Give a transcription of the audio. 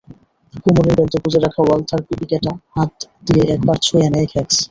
কোমরের বেল্টে গুঁজে রাখা ওয়ালথার পিপিকেটা হাত দিয়ে একবার ছুঁয়ে নেয় খেক্স।